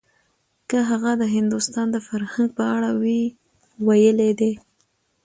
که هغه د هندوستان د فرهنګ په اړه وی ويلي دي.